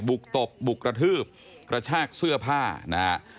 ตบบุกกระทืบกระชากเสื้อผ้านะฮะ